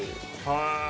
へえ。